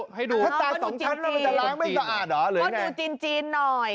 คุณดูจีนหน่อย